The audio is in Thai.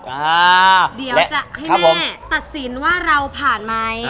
เดี๋ยวจะให้แม่ตัดสินว่าเราผ่านไหม